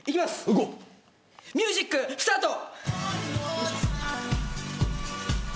ミュージックスタート。